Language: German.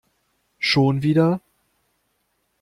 Schon wieder?